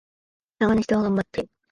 中の人は頑張って